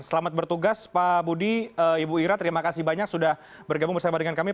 selamat bertugas pak budi ibu ira terima kasih banyak sudah bergabung bersama dengan kami